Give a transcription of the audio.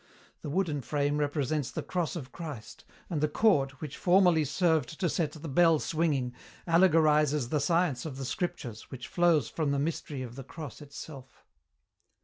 The wooden frame represents the cross of Christ, and the cord, which formerly served to set the bell swinging, allegorizes the science of the Scriptures which flows from the mystery of the Cross itself.